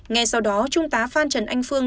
ngay sau đó trung tá phan trần anh phương